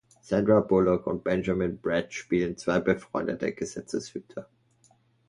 Sandra Bullock und Benjamin Bratt spielen zwei befreundete Gesetzeshüter.